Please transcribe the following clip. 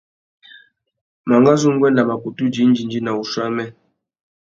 Mangazu nguêndê a mà kutu djï indjindjï na wuchiô wamê.